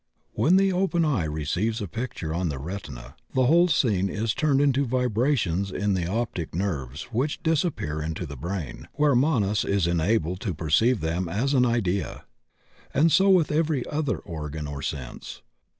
When the open eye receives a picture on the retina, the whole scene is turned into vibrations in the optic nerves which disappear into the brain, where Manas is enabled to perceive them as idea. And so with every other organ or sense.